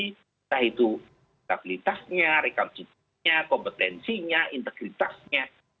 entah itu stabilitasnya rekonstitusinya kompetensinya integritasnya